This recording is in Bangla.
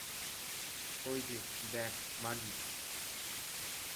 ঐযে দেখ মাগী!